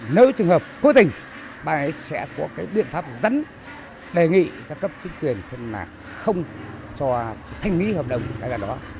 nếu trường hợp cố tình bà ấy sẽ có biện pháp dẫn đề nghị các cấp chính quyền không cho thanh mỹ hợp đồng